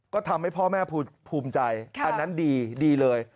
ก็ทำให้พ่อแม่ภูมิใจอันนั้นดีดีเลย